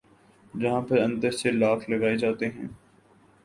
جہاں پر اندر سے لاک لگائے جاتے ہیں